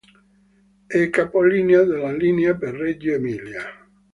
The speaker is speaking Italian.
È capolinea della linea per Reggio Emilia.